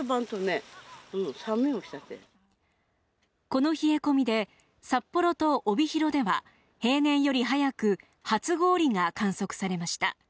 この冷え込みで札幌と帯広では平年より早く初氷が観測されました